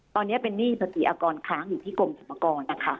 ตอนนี้เป็นหนี้ภาษีอากรค้างอยู่ที่กรมสรรพากรนะคะ